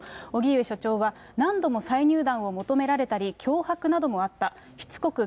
荻上所長は、何度も再入団を求められたり、脅迫などもあった。